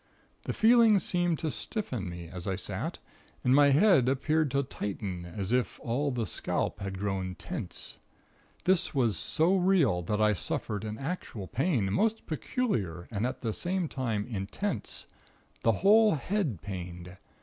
The feeling seemed to stiffen me, as I sat, and my head appeared to tighten, as if all the scalp had grown tense. This was so real, that I suffered an actual pain, most peculiar and at the same time intense; the whole head pained.